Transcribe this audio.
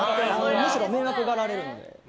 むしろ迷惑がられるので。